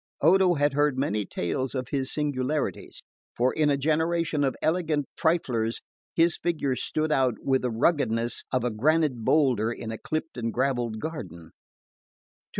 Odo had heard many tales of his singularities, for in a generation of elegant triflers his figure stood out with the ruggedness of a granite boulder in a clipped and gravelled garden.